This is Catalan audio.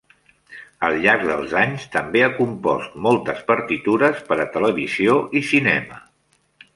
Al llarg dels anys també ha compost moltes partitures per a televisió i cinema.